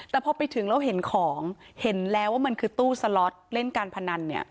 แต่พอไปถึงแล้วเห็นของเห็นแล้วว่ามันคือตู้สล็อตเล่นการพนันเนี่ย